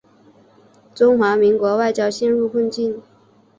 中华民国外交陷入困境。